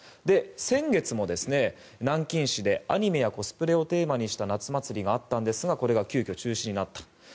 先月も、南京市でアニメやコスプレをテーマにした夏祭りがあったんですが急きょ中止になった。